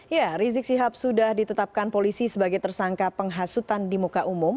ya rizik sihab sudah ditetapkan polisi sebagai tersangka penghasutan di muka umum